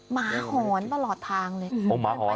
หมาหอนตลอดทางเลย